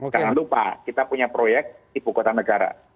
jangan lupa kita punya proyek ibu kota negara